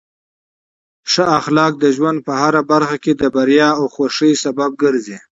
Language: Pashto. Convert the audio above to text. ښه اخلاق د ژوند په هره برخه کې د بریا او خوښۍ لامل ګرځي.